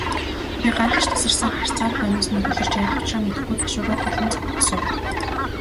Би гайхаш тасарсан харцаар хойноос нь гөлөрч, яах учраа мэдэхгүй ташуураа тулан босов.